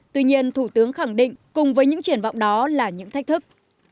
tuy nhiên thủ tướng khẳng định cùng với những triển vọng đó là những thách thức